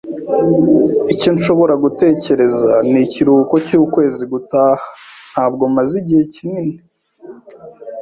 Icyo nshobora gutekereza ni ikiruhuko cy'ukwezi gutaha. Ntabwo maze igihe kinini.